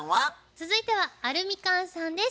続いてはアルミカンさんです。